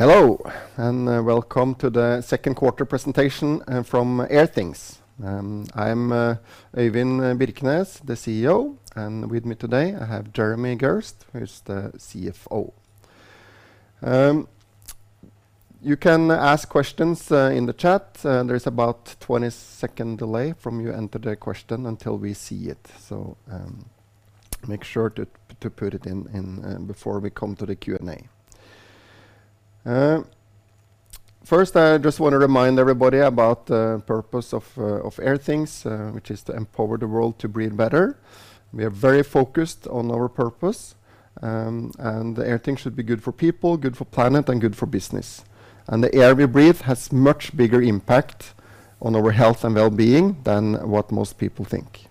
Hello, and welcome to the second quarter presentation from Airthings. I am Øyvind Birkenes, the CEO, and with me today I have Jeremy Gerst, who is the CFO. You can ask questions in the chat. There is about 20-second delay from you enter the question until we see it. Make sure to put it in before we come to the Q&A. First, I just want to remind everybody about the purpose of Airthings, which is to empower the world to breathe better. We are very focused on our purpose, and Airthings should be good for people, good for planet, and good for business. The air we breathe has much bigger impact on our health and wellbeing than what most people think.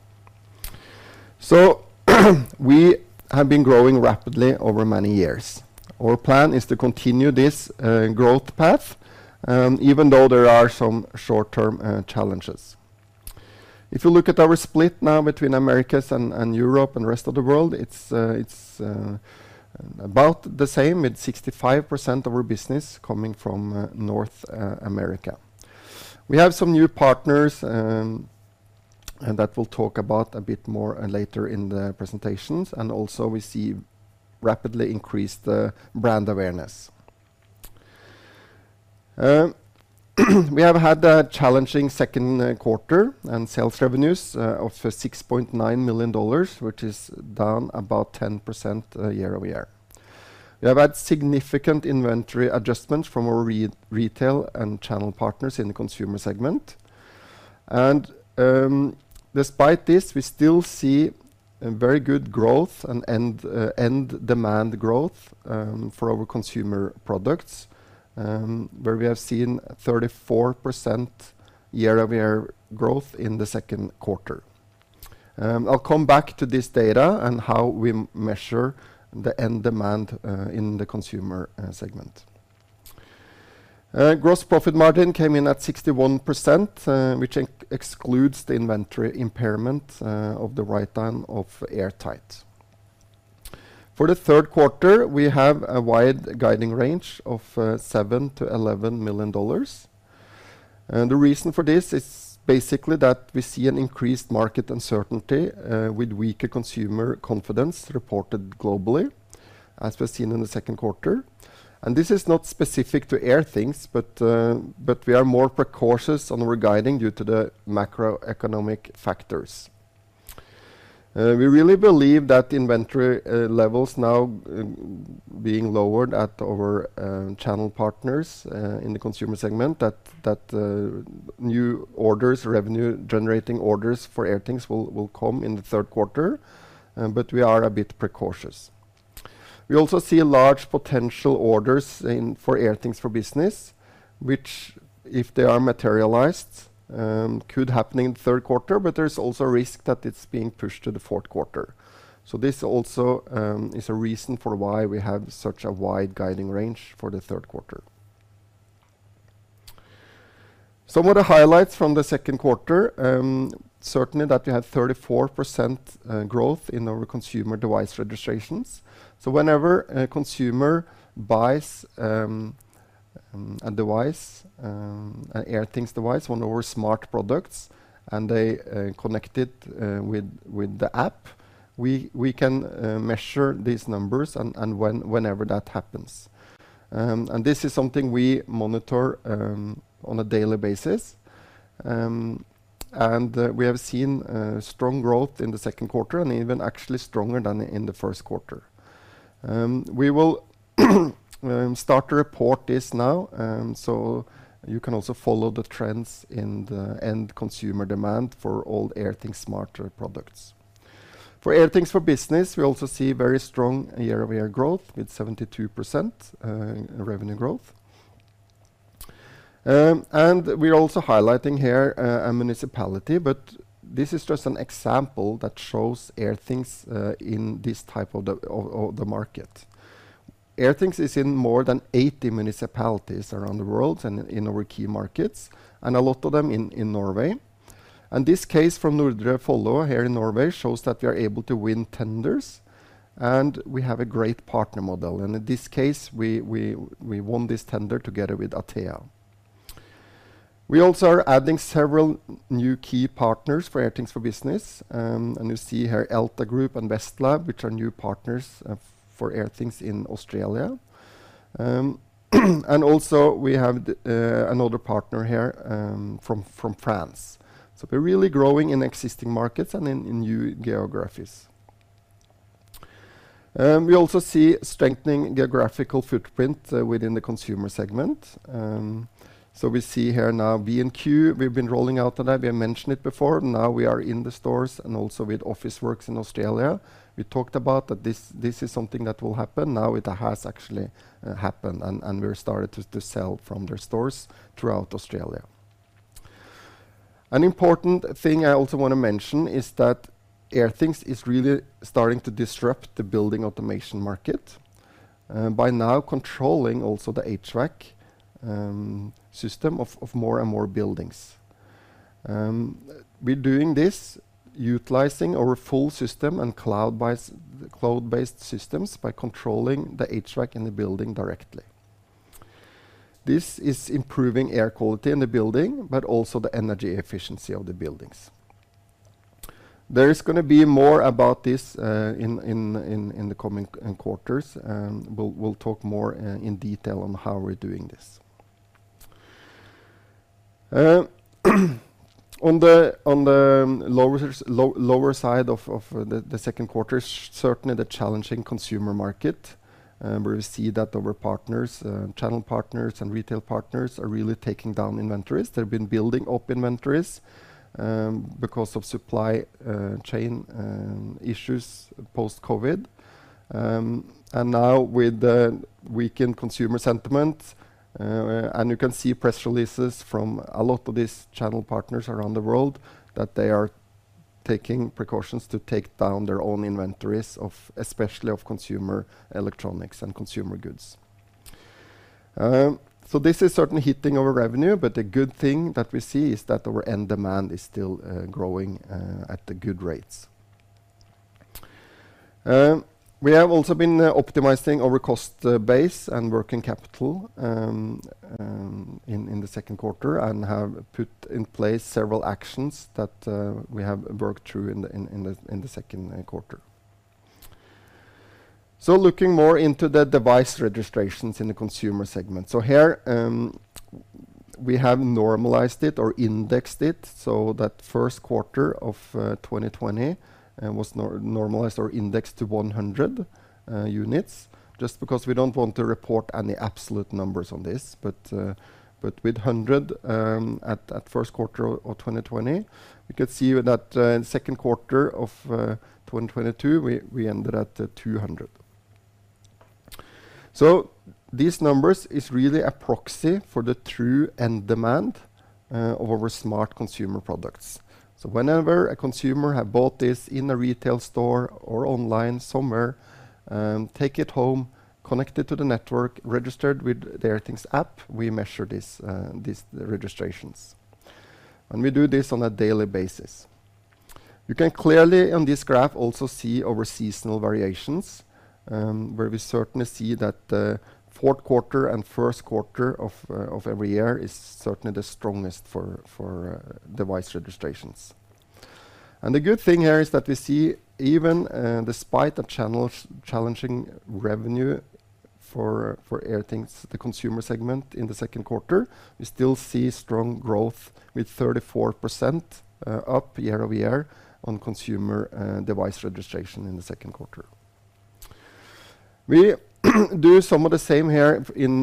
We have been growing rapidly over many years. Our plan is to continue this growth path, even though there are some short-term challenges. If you look at our split now between Americas and Europe and the rest of the world, it's about the same, with 65% of our business coming from North America. We have some new partners, and that we'll talk about a bit more later in the presentations. Also we see rapidly increased brand awareness. We have had a challenging second quarter and sales revenues of $6.9 million, which is down about 10% year-over-year. We have had significant inventory adjustments from our retail and channel partners in the consumer segment. Despite this, we still see a very good growth and end demand growth for our consumer products, where we have seen 34% year-over-year growth in the second quarter. I'll come back to this data and how we measure the end demand in the consumer segment. Gross profit margin came in at 61%, which excludes the inventory impairment of the write-down of Airtight. For the third quarter, we have a wide guidance range of $7 million-$11 million. The reason for this is basically that we see an increased market uncertainty with weaker consumer confidence reported globally, as was seen in the second quarter. This is not specific to Airthings, but we are more cautious on our guidance due to the macroeconomic factors. We really believe that inventory levels now being lowered at our channel partners in the consumer segment, that new orders, revenue-generating orders for Airthings will come in the third quarter, but we are a bit cautious. We also see large potential orders for Airthings for Business, which, if they materialize, could happen in the third quarter, but there's also a risk that it's being pushed to the fourth quarter. This also is a reason for why we have such a wide guidance range for the third quarter. Some of the highlights from the second quarter certainly that we had 34% growth in our consumer device registrations. Whenever a consumer buys a device, an Airthings device, one of our smart products, and they connect it with the app, we can measure these numbers and when that happens. This is something we monitor on a daily basis. We have seen strong growth in the second quarter and even actually stronger than in the first quarter. We will start to report this now, so you can also follow the trends in the end consumer demand for all Airthings smart products. For Airthings for Business, we also see very strong year-over-year growth with 72% revenue growth. We're also highlighting here a municipality, but this is just an example that shows Airthings in this type of the market. Airthings is in more than 80 municipalities around the world and in our key markets, and a lot of them in Norway. This case from Nordre Follo here in Norway shows that we are able to win tenders, and we have a great partner model. In this case, we won this tender together with Atea. We also are adding several new key partners for Airthings for Business. You see here Elta Group and Westlab, which are new partners, for Airthings in Australia. Also we have another partner here, from France. We're really growing in existing markets and in new geographies. We also see strengthening geographical footprint within the consumer segment. We see here now B&Q, we've been rolling out today. We have mentioned it before. Now we are in the stores and also with Officeworks in Australia. We talked about that this is something that will happen. Now it has actually happened, and we started to sell from their stores throughout Australia. An important thing I also want to mention is that Airthings is really starting to disrupt the building automation market by now controlling also the HVAC system of more and more buildings. We're doing this utilizing our full system and cloud-based systems by controlling the HVAC in the building directly. This is improving air quality in the building, but also the energy efficiency of the buildings. There is gonna be more about this in the coming quarters, and we'll talk more in detail on how we're doing this. On the lower side of the second quarter, certainly the challenging consumer market, where we see that our partners, channel partners and retail partners are really taking down inventories. They've been building up inventories because of supply chain issues post-COVID. Now with the weakened consumer sentiment, you can see press releases from a lot of these channel partners around the world that they are taking precautions to take down their own inventories, especially of consumer electronics and consumer goods. This is certainly hitting our revenue, but the good thing that we see is that our end demand is still growing at the good rates. We have also been optimizing our cost base and working capital in the second quarter and have put in place several actions that we have worked through in the second quarter. Looking more into the device registrations in the consumer segment. Here, we have normalized it or indexed it, so that first quarter of 2020 was normalized or indexed to 100 units just because we don't want to report any absolute numbers on this. With 100 at first quarter of 2020, we could see that in second quarter of 2022, we ended at 200. These numbers is really a proxy for the true end demand of our smart consumer products. Whenever a consumer have bought this in a retail store or online somewhere, take it home, connect it to the network, registered with the Airthings app, we measure the registrations. We do this on a daily basis. You can clearly on this graph also see our seasonal variations, where we certainly see that the fourth quarter and first quarter of every year is certainly the strongest for device registrations. The good thing here is that we see even despite the channels challenging revenue for Airthings, the consumer segment in the second quarter, we still see strong growth with 34% up year-over-year on consumer device registration in the second quarter. We do some of the same here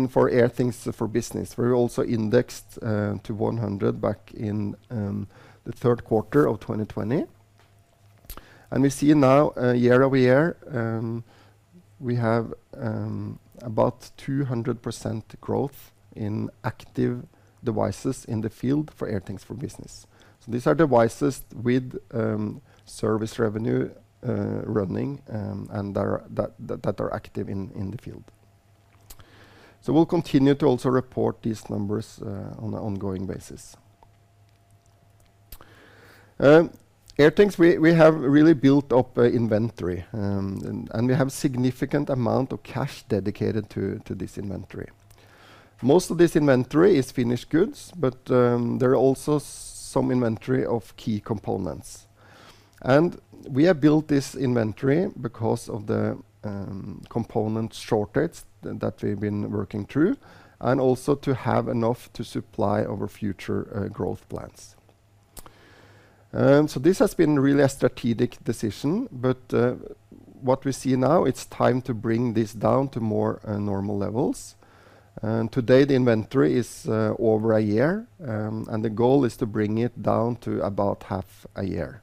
for Airthings for Business. We're also indexed to 100 back in the third quarter of 2020. We see now year-over-year we have about 200% growth in active devices in the field for Airthings for Business. These are devices with service revenue running and that are active in the field. We'll continue to also report these numbers on an ongoing basis. Airthings, we have really built up an inventory and we have significant amount of cash dedicated to this inventory. Most of this inventory is finished goods, but there are also some inventory of key components. We have built this inventory because of the component shortages that we've been working through and also to have enough to supply our future growth plans. This has been really a strategic decision, but what we see now, it's time to bring this down to more normal levels. Today, the inventory is over a year, and the goal is to bring it down to about half a year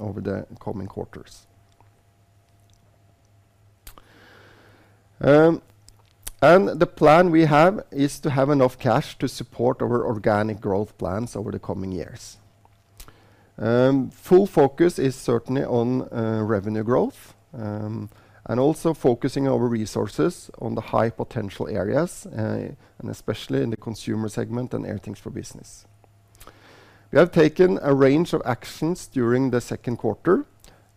over the coming quarters. The plan we have is to have enough cash to support our organic growth plans over the coming years. Full focus is certainly on revenue growth, and also focusing our resources on the high potential areas, and especially in the consumer segment and Airthings for Business. We have taken a range of actions during the second quarter.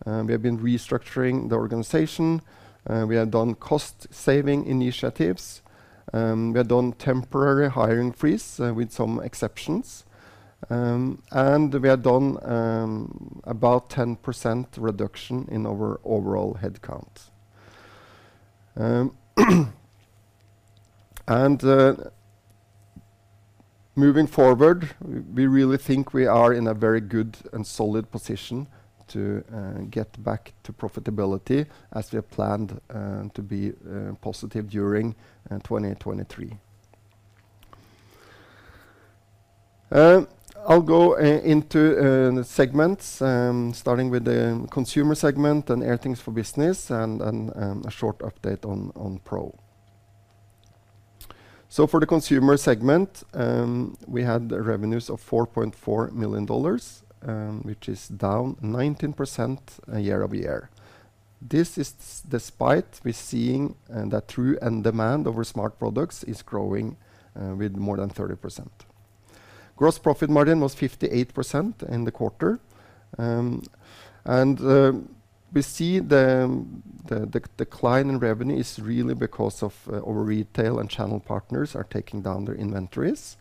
We have been restructuring the organization, we have done cost-saving initiatives, we have done temporary hiring freeze, with some exceptions, and we have done about 10% reduction in our overall headcount. Moving forward, we really think we are in a very good and solid position to get back to profitability as we have planned, to be positive during 2023. I'll go into the segments, starting with the consumer segment and Airthings for Business and a short update on Pro. For the consumer segment, we had revenues of $4.4 million, which is down 19% year-over-year. This is despite we're seeing that strong demand of our smart products is growing with more than 30%. Gross profit margin was 58% in the quarter. We see the decline in revenue is really because of our retail and channel partners taking down their inventories.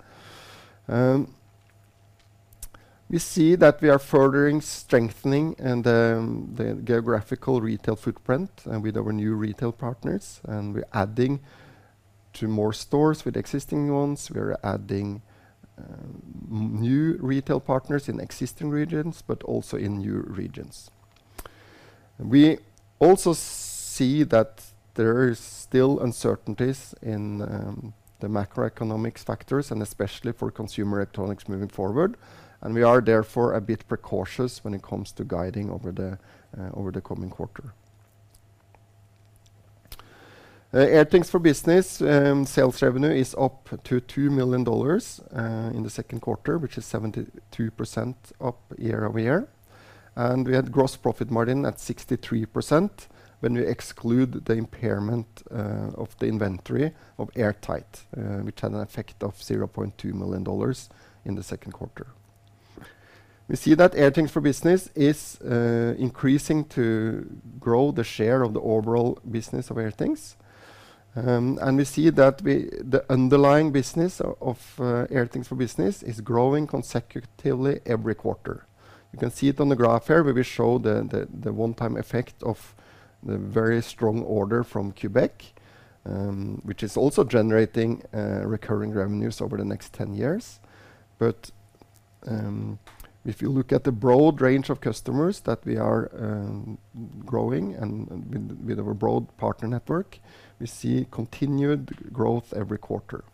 We see that we are further strengthening the geographical retail footprint and with our new retail partners, and we're adding to more stores with existing ones. We're adding new retail partners in existing regions, but also in new regions. We also see that there is still uncertainty in the macroeconomic factors and especially for consumer electronics moving forward. We are therefore a bit cautious when it comes to guiding over the coming quarter. Airthings for Business sales revenue is up to $2 million in the second quarter, which is 72% up year-over-year. We had gross profit margin at 63% when we exclude the impairment of the inventory of Airtight, which had an effect of $0.2 million in the second quarter. We see that Airthings for Business is increasing to grow the share of the overall business of Airthings. We see that the underlying business of Airthings for Business is growing consecutively every quarter. You can see it on the graph here, where we show the one-time effect of the very strong order from Quebec, which is also generating recurring revenues over the next 10 years. If you look at the broad range of customers that we are growing and with our broad partner network, we see continued growth every quarter.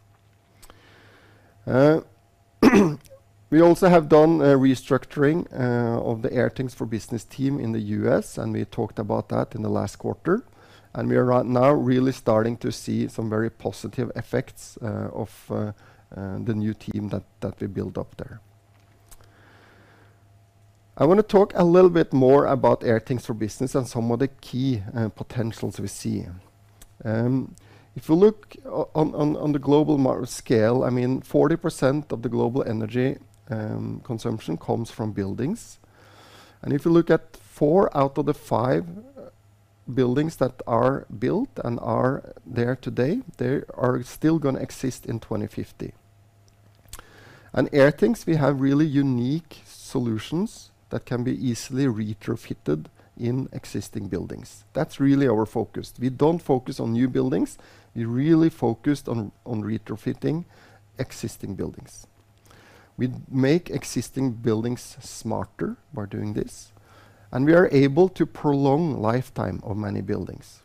We also have done a restructuring of the Airthings for Business team in the U.S., and we talked about that in the last quarter. We are right now really starting to see some very positive effects of the new team that we built up there. I wanna talk a little bit more about Airthings for Business and some of the key potentials we see. If you look on the global scale, I mean, 40% of the global energy consumption comes from buildings. If you look at four out of the five buildings that are built and are there today, they are still gonna exist in 2050. Airthings, we have really unique solutions that can be easily retrofitted in existing buildings. That's really our focus. We don't focus on new buildings. We really focused on retrofitting existing buildings. We make existing buildings smarter by doing this, and we are able to prolong lifetime of many buildings.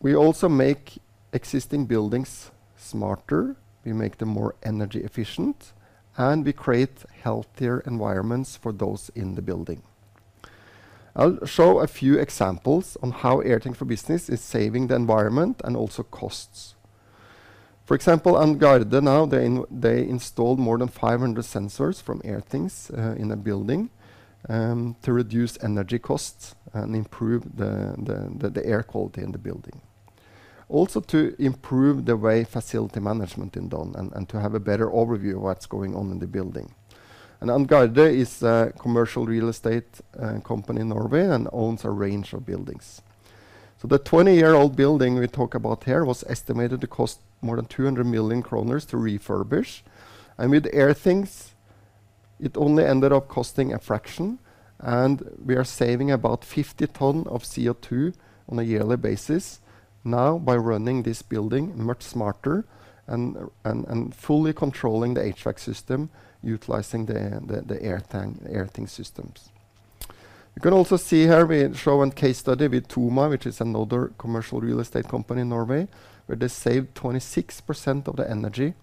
We also make existing buildings smarter, we make them more energy efficient, and we create healthier environments for those in the building. I'll show a few examples on how Airthings for Business is saving the environment and also costs. For example, Angarde now, they installed more than 500 sensors from Airthings in a building to reduce energy costs and improve the air quality in the building. Also to improve the way facility management is done and to have a better overview of what's going on in the building. Angarde is a commercial real estate company in Norway and owns a range of buildings. The 20-year-old building we talk about here was estimated to cost more than 200 million kroner to refurbish. With Airthings, it only ended up costing a fraction, and we are saving about 50 tons of CO2 on a yearly basis now by running this building much smarter and fully controlling the HVAC system, utilizing the Airthings systems. You can also see here we show a case study with TOMA, which is another commercial real estate company in Norway, where they saved 26% of the energy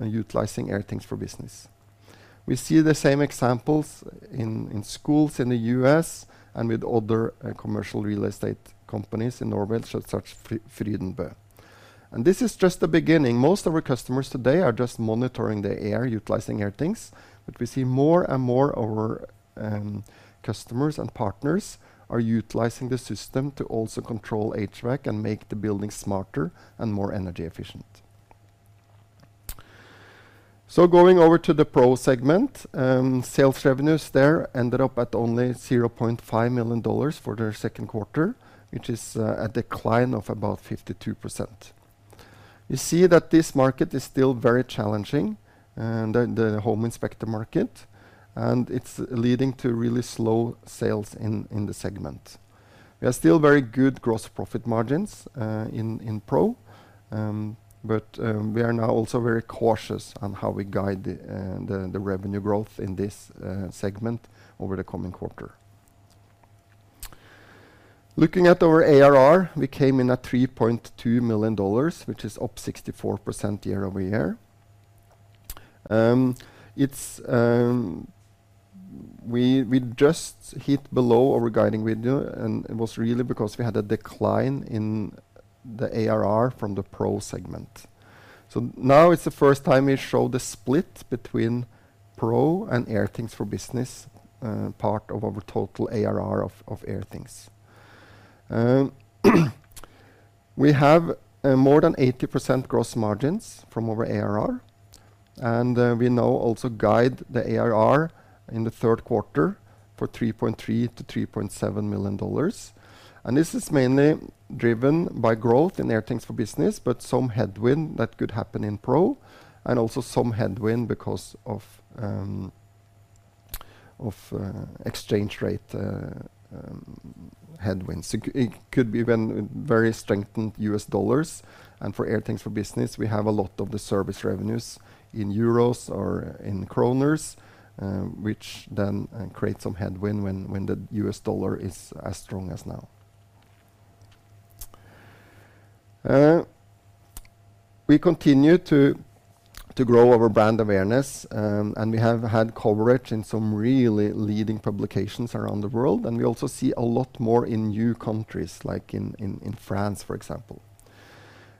utilizing Airthings for Business. We see the same examples in schools in the U.S. and with other commercial real estate companies in Norway, such Frydenbø. This is just the beginning. Most of our customers today are just monitoring the air utilizing Airthings, but we see more and more of our customers and partners are utilizing the system to also control HVAC and make the building smarter and more energy efficient. Going over to the Pro segment, sales revenues there ended up at only $0.5 million for their second quarter, which is a decline of about 52%. You see that this market is still very challenging, the home inspector market, and it's leading to really slow sales in the segment. We are still very good gross profit margins in Pro, but we are now also very cautious on how we guide the revenue growth in this segment over the coming quarter. Looking at our ARR, we came in at $3.2 million, which is up 64% year-over-year. We just hit below our guidance window, and it was really because we had a decline in the ARR from the Pro segment. Now it's the first time we show the split between Pro and Airthings for Business, part of our total ARR of Airthings. We have more than 80% gross margins from our ARR, and we now also guide the ARR in the third quarter for $3.3-$3.7 million. This is mainly driven by growth in Airthings for Business, but some headwind that could happen in Pro and also some headwind because of exchange rate headwinds. It could be when very strong U.S. dollars, and for Airthings for Business, we have a lot of the service revenues in euros or in kroners, which then create some headwind when the U.S. dollar is as strong as now. We continue to grow our brand awareness, and we have had coverage in some really leading publications around the world, and we also see a lot more in new countries, like in France, for example.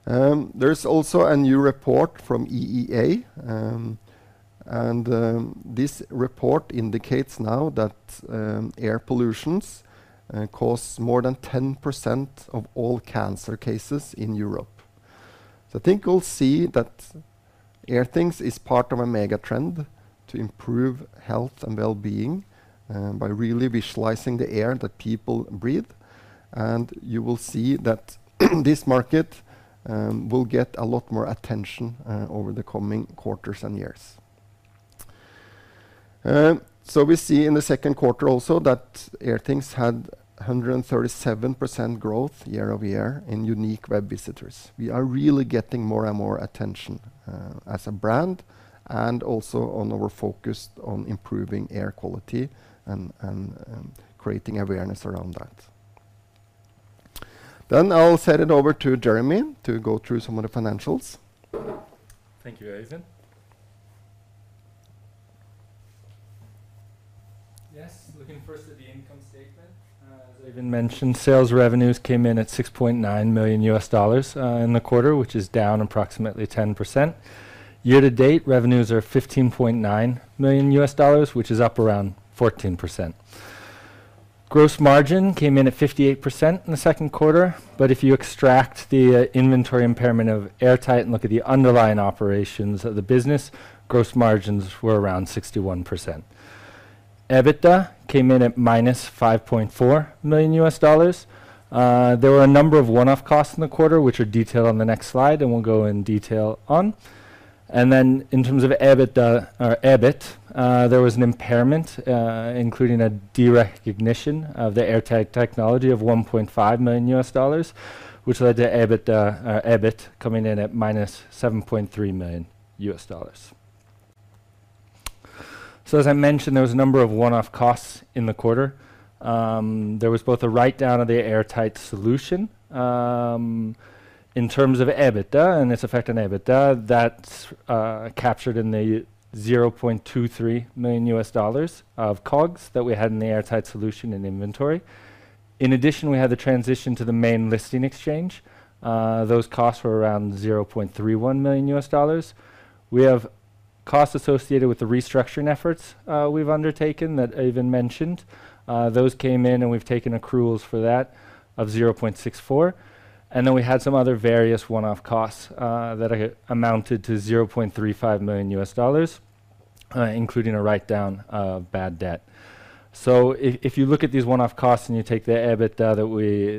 There's also a new report from EEA, and this report indicates now that air pollution causes more than 10% of all cancer cases in Europe. I think we'll see that Airthings is part of a mega trend to improve health and wellbeing by really visualizing the air that people breathe, and you will see that this market will get a lot more attention over the coming quarters and years. We see in the second quarter also that Airthings had 137% growth year-over-year in unique web visitors. We are really getting more and more attention as a brand and also on our focus on improving air quality and creating awareness around that. I'll send it over to Jeremy to go through some of the financials. Thank you, Øyvind. Yes. Looking first at the income statement, as Øyvind mentioned, sales revenues came in at $6.9 million in the quarter, which is down approximately 10%. Year to date, revenues are $15.9 million, which is up around 14%. Gross margin came in at 58% in the second quarter, but if you extract the inventory impairment of Airtight and look at the underlying operations of the business, gross margins were around 61%. EBITDA came in at -$5.4 million. There were a number of one-off costs in the quarter, which are detailed on the next slide, and we'll go in detail on. In terms of EBITDA or EBIT, there was an impairment, including a derecognition of the Airtight technology of $1.5 million, which led to EBITDA or EBIT coming in at -$7.3 million. As I mentioned, there was a number of one-off costs in the quarter. There was both a write-down of the Airtight solution, in terms of EBITDA, and its effect on EBITDA, that's captured in the $0.23 million of COGS that we had in the Airtight solution and inventory. In addition, we had the transition to the main listing exchange. Those costs were around $0.31 million. We have costs associated with the restructuring efforts, we've undertaken that Øyvind mentioned. Those came in, and we've taken accruals for that of $0.64. Then we had some other various one-off costs that amounted to $0.35 million, including a write-down of bad debt. If you look at these one-off costs and you take the EBITDA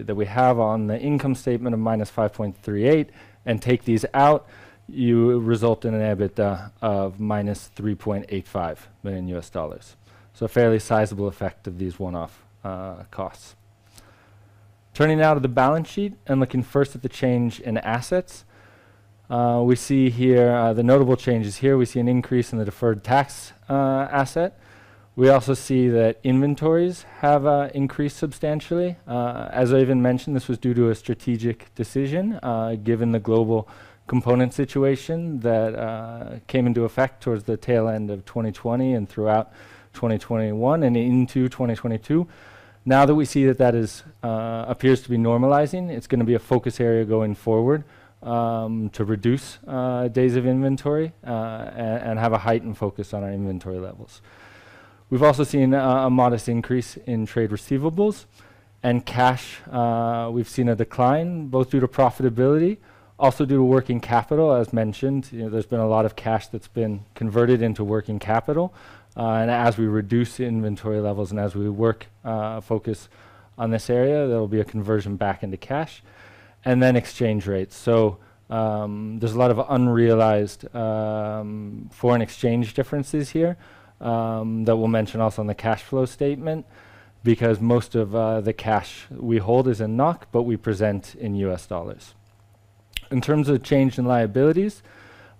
that we have on the income statement of -5.38 and take these out, you result in an EBITDA of -$3.85 million. A fairly sizable effect of these one-off costs. Turning now to the balance sheet and looking first at the change in assets, we see here the notable changes here. We see an increase in the deferred tax asset. We also see that inventories have increased substantially. As Øyvind mentioned, this was due to a strategic decision, given the global component situation that came into effect towards the tail end of 2020 and throughout 2021 and into 2022. Now that we see that is appears to be normalizing, it's gonna be a focus area going forward, to reduce days of inventory and have a heightened focus on our inventory levels. We've also seen a modest increase in trade receivables. Cash, we've seen a decline, both due to profitability, also due to working capital. As mentioned, you know, there's been a lot of cash that's been converted into working capital. As we reduce the inventory levels and as we work focus on this area, there will be a conversion back into cash. Then exchange rates. There's a lot of unrealized foreign exchange differences here that we'll mention also on the cash flow statement because most of the cash we hold is in NOK, but we present in U.S. dollars. In terms of change in liabilities,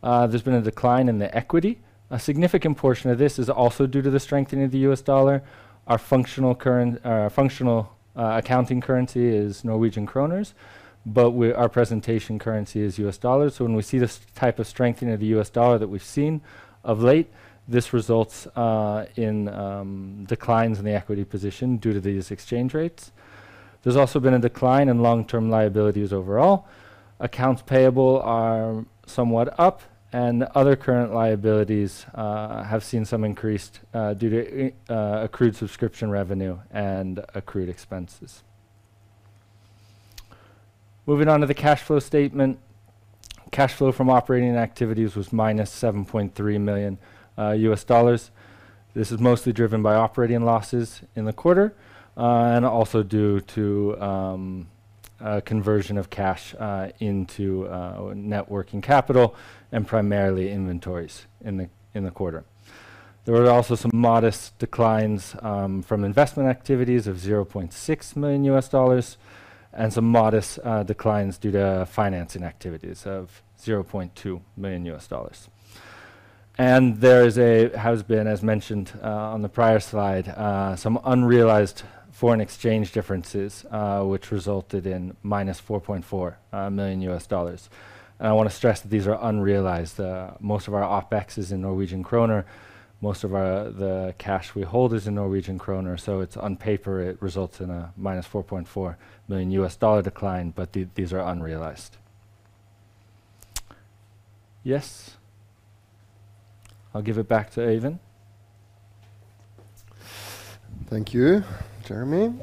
there's been a decline in the equity. A significant portion of this is also due to the strengthening of the U.S. dollar. Our functional accounting currency is Norwegian kroner, but our presentation currency is U.S. dollars. When we see this type of strengthening of the U.S. dollar that we've seen of late, this results in declines in the equity position due to these exchange rates. There's also been a decline in long-term liabilities overall. Accounts payable are somewhat up, and other current liabilities have seen some increase due to accrued subscription revenue and accrued expenses. Moving on to the cash flow statement. Cash flow from operating activities was -$7.3 million. This is mostly driven by operating losses in the quarter and also due to conversion of cash into net working capital and primarily inventories in the quarter. There were also some modest declines from investment activities of $0.6 million and some modest declines due to financing activities of $0.2 million. There has been, as mentioned on the prior slide, some unrealized foreign exchange differences which resulted in -$4.4 million. I wanna stress that these are unrealized. Most of our OpEx is in Norwegian kroner. Most of the cash we hold is in Norwegian kroner. It's, on paper, it results in a minus $4.4 million decline, but these are unrealized. Yes. I'll give it back to Øyvind. Thank you, Jeremy.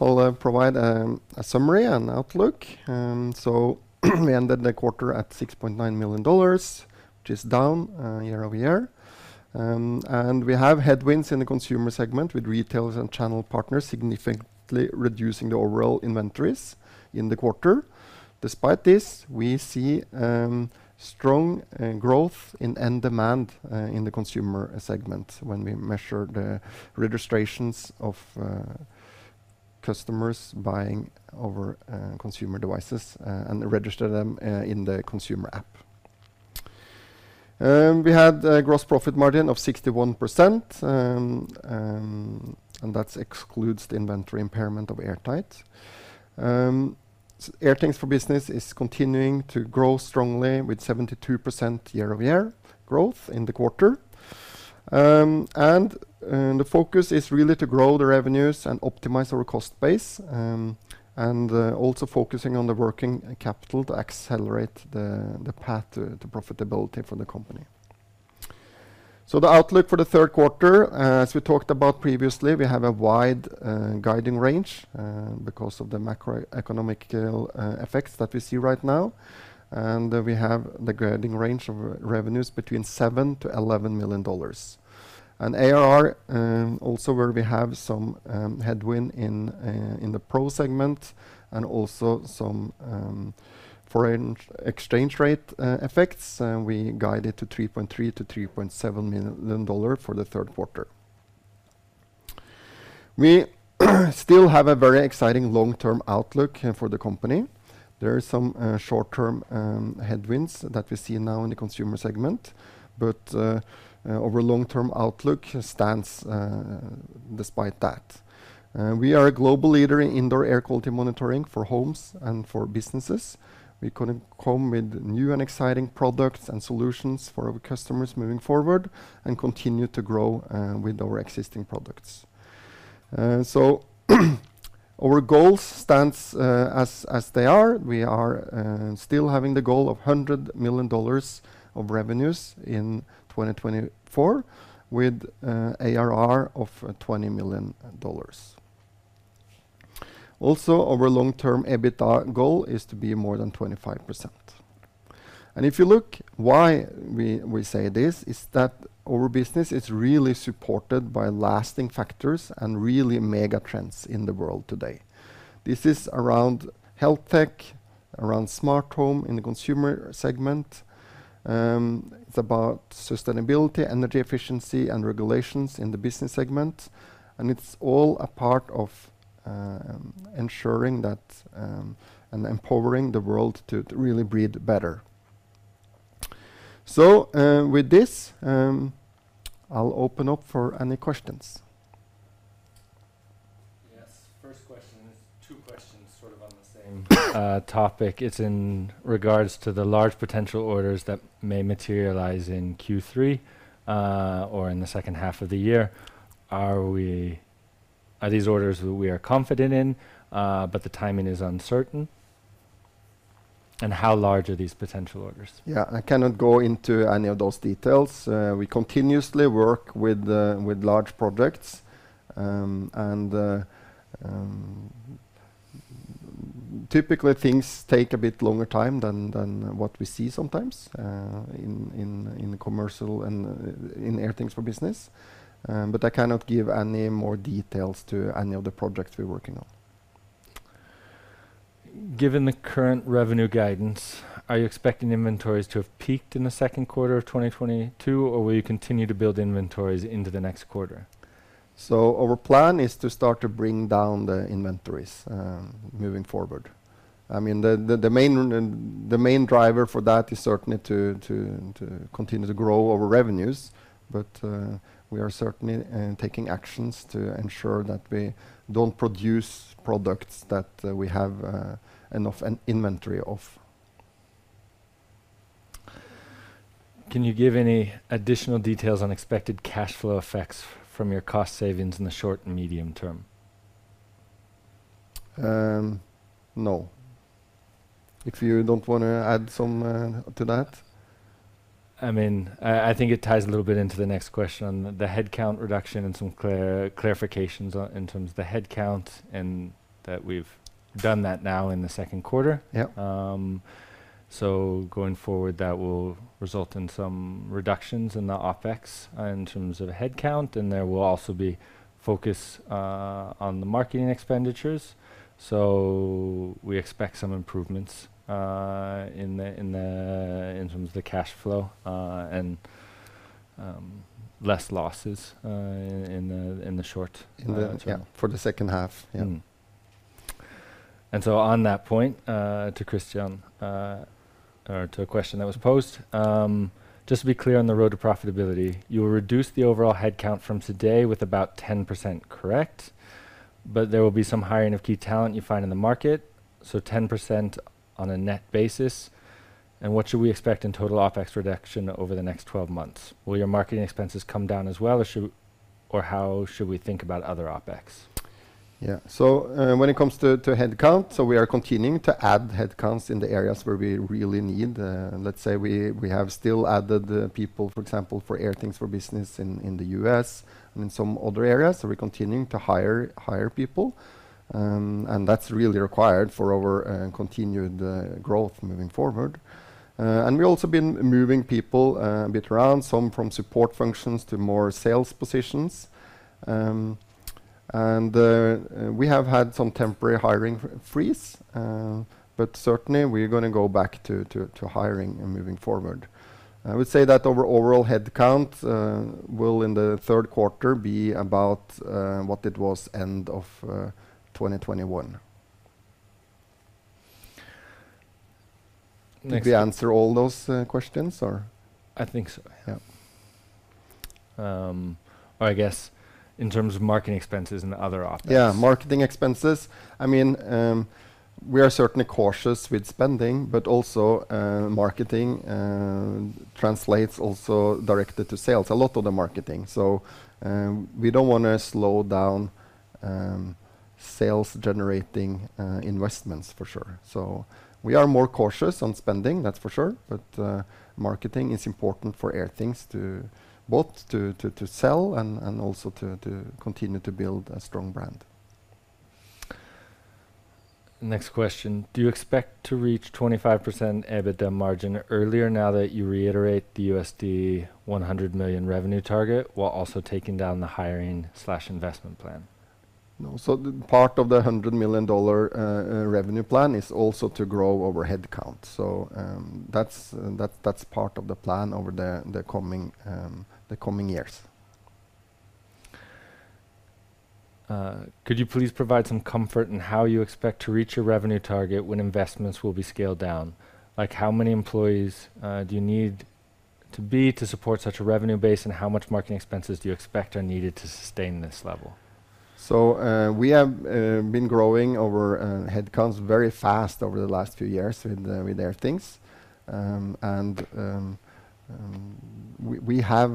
I'll provide a summary and outlook. We ended the quarter at $6.9 million, which is down year-over-year. We have headwinds in the consumer segment with retailers and channel partners significantly reducing the overall inventories in the quarter. Despite this, we see strong growth in end demand in the consumer segment when we measure the registrations of customers buying our consumer devices and register them in the consumer app. We had a gross profit margin of 61% that excludes the inventory impairment of Airtight. Airthings for Business is continuing to grow strongly with 72% year-over-year growth in the quarter. The focus is really to grow the revenues and optimize our cost base, and also focusing on the working capital to accelerate the path to profitability for the company. The outlook for the third quarter, as we talked about previously, we have a wide guiding range, because of the macroeconomic effects that we see right now. We have the guiding range of revenues between $7 million-$11 million. ARR, also where we have some headwind in the Pro segment and also some foreign exchange rate effects, and we guide it to $3.3 million-$3.7 million for the third quarter. We still have a very exciting long-term outlook for the company. There is some short-term headwinds that we see now in the consumer segment, but our long-term outlook stands despite that. We are a global leader in indoor air quality monitoring for homes and for businesses. We're gonna come with new and exciting products and solutions for our customers moving forward and continue to grow with our existing products. Our goals stands as they are. We are still having the goal of $100 million of revenues in 2024 with ARR of $20 million. Also, our long-term EBITDA goal is to be more than 25%. If you look why we say this, it's that our business is really supported by lasting factors and really mega trends in the world today. This is around health tech, around smart home in the consumer segment. It's about sustainability, energy efficiency, and regulations in the business segment. It's all a part of ensuring that and empowering the world to really breathe better. With this, I'll open up for any questions. Yes. First question is two questions sort of on the same topic. It's in regards to the large potential orders that may materialize in Q3 or in the second half of the year. Are these orders we are confident in, but the timing is uncertain? And how large are these potential orders? Yeah, I cannot go into any of those details. We continuously work with large projects. Typically things take a bit longer time than what we see sometimes in the commercial and in Airthings for Business. I cannot give any more details to any of the projects we're working on. Given the current revenue guidance, are you expecting inventories to have peaked in the second quarter of 2022, or will you continue to build inventories into the next quarter? Our plan is to start to bring down the inventories, moving forward. I mean, the main driver for that is certainly to continue to grow our revenues. We are certainly taking actions to ensure that we don't produce products that we have enough inventory of. Can you give any additional details on expected cash flow effects from your cost savings in the short and medium term? No. If you don't wanna add some to that. I mean, I think it ties a little bit into the next question. The headcount reduction and some clarifications in terms of the headcount and that we've done that now in the second quarter. Yep. Going forward, that will result in some reductions in the OpEx in terms of the headcount, and there will also be focus on the marketing expenditures. We expect some improvements in terms of the cash flow and less losses in the short term. Yeah, for the second half. Yeah. Mm-hmm. On that point, to Christian, or to a question that was posed, just to be clear on the road to profitability, you will reduce the overall headcount from today with about 10%, correct? There will be some hiring of key talent you find in the market, so 10% on a net basis. What should we expect in total OpEx reduction over the next 12 months? Will your marketing expenses come down as well? Or how should we think about other OpEx? Yeah. When it comes to headcount, we are continuing to add headcounts in the areas where we really need. Let's say we have still added the people, for example, for Airthings for Business in the U.S. and in some other areas. We're continuing to hire people, and that's really required for our continued growth moving forward. We've also been moving people a bit around, some from support functions to more sales positions. We have had some temporary hiring freeze, but certainly we're gonna go back to hiring and moving forward. I would say that our overall headcount will in the third quarter be about what it was end of 2021. Next- Did we answer all those questions or? I think so, yeah. Yeah. I guess in terms of marketing expenses and other OpEx. Yeah, marketing expenses, I mean, we are certainly cautious with spending, but also, marketing translates also directly to sales, a lot of the marketing. We don't wanna slow down sales-generating investments, for sure. We are more cautious on spending, that's for sure, but marketing is important for Airthings to both sell and also to continue to build a strong brand. Next question. Do you expect to reach 25% EBITDA margin earlier now that you reiterate the $100 million revenue target while also taking down the hiring/investment plan? No. The part of the $100 million revenue plan is also to grow our headcount. That's part of the plan over the coming years. Could you please provide some comfort in how you expect to reach your revenue target when investments will be scaled down? Like how many employees do you need to be to support such a revenue base, and how much marketing expenses do you expect are needed to sustain this level? We have been growing our headcounts very fast over the last few years with Airthings. We have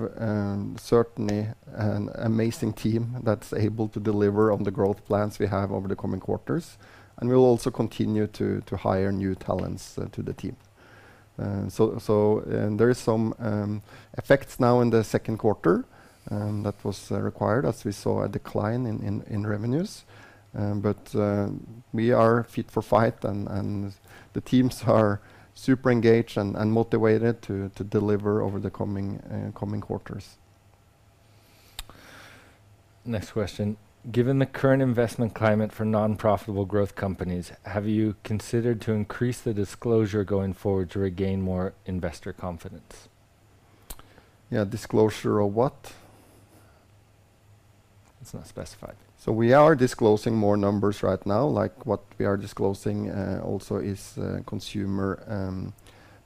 certainly an amazing team that's able to deliver on the growth plans we have over the coming quarters, and we'll also continue to hire new talents to the team. There is some effects now in the second quarter that was required as we saw a decline in revenues. We are fit for fight and the teams are super engaged and motivated to deliver over the coming quarters. Next question. Given the current investment climate for non-profitable growth companies, have you considered to increase the disclosure going forward to regain more investor confidence? Yeah. Disclosure of what? It's not specified. We are disclosing more numbers right now. Like what we are disclosing also is consumer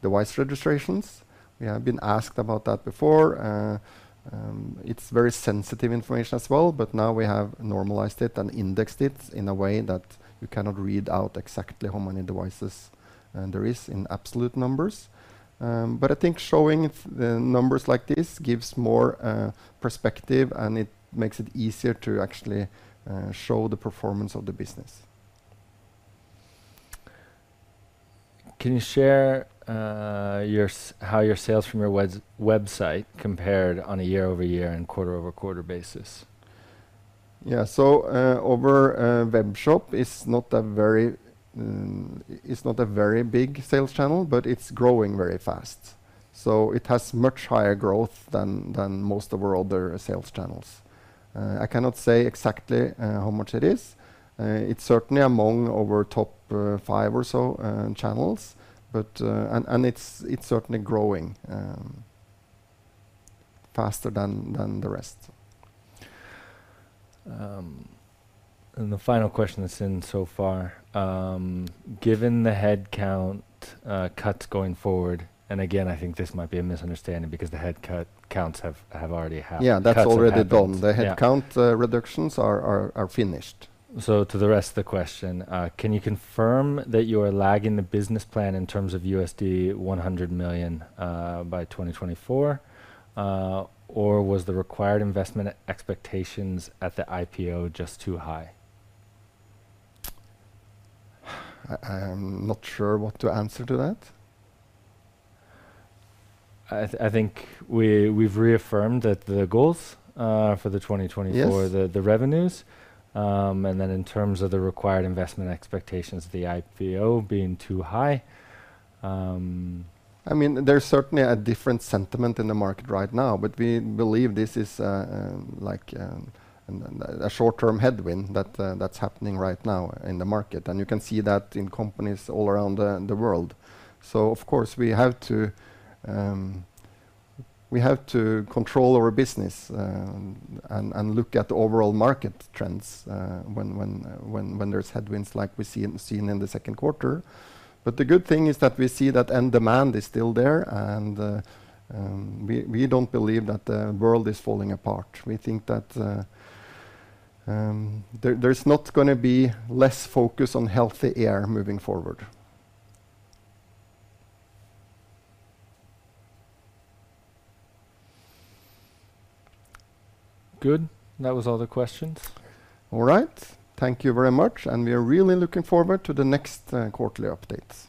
device registrations. We have been asked about that before. It's very sensitive information as well, but now we have normalized it and indexed it in a way that you cannot read out exactly how many devices there is in absolute numbers. I think showing it the numbers like this gives more perspective, and it makes it easier to actually show the performance of the business. Can you share how your sales from your website compared on a year-over-year and quarter-over-quarter basis? Yeah. Our webshop is not a very big sales channel, but it's growing very fast. It has much higher growth than most of our other sales channels. I cannot say exactly how much it is. It's certainly among our top five or so channels, but it's certainly growing faster than the rest. The final question that's in so far. Given the headcount cuts going forward, and again, I think this might be a misunderstanding because the headcount cuts have already happened. Yeah, that's already done. Yeah. The headcount reductions are finished. To the rest of the question. Can you confirm that you are lagging the business plan in terms of $100 million by 2024? Or was the required investment expectations at the IPO just too high? I'm not sure what to answer to that. I think we've reaffirmed that the goals for the 2024. Yes the revenues. Then in terms of the required investment expectations, the IPO being too high. I mean, there's certainly a different sentiment in the market right now, but we believe this is, like, a short-term headwind that's happening right now in the market, and you can see that in companies all around the world. Of course, we have to control our business and look at the overall market trends when there's headwinds like we've seen in the second quarter. The good thing is that we see that end demand is still there and we don't believe that the world is falling apart. We think that there's not gonna be less focus on healthy air moving forward. Good. That was all the questions. All right. Thank you very much, and we are really looking forward to the next quarterly updates.